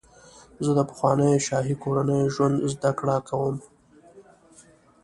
زه د پخوانیو شاهي کورنیو ژوند زدهکړه کوم.